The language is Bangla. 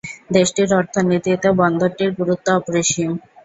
দেশটির অর্থনীতিতে বন্দরটির গুরুত্ব অপরিসীম।